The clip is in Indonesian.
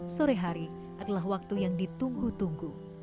sore hari adalah waktu yang ditunggu tunggu